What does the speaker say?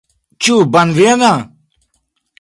Ĉu bonvena?